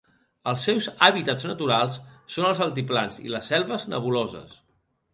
Els seus hàbitats naturals són els altiplans i les selves nebuloses.